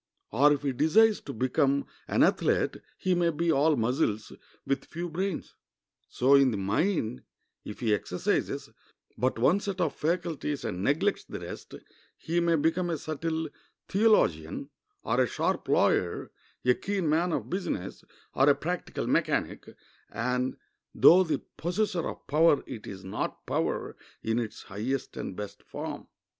Or, if he desires to become an athlete, he may be all muscles, with few brains. So, in the mind, if he exercises but one set of faculties and neglects the rest, he may become a subtle theologian or a sharp lawyer, a keen man of business, or a practical mechanic, and though the possessor of power it is not power in its highest and best form.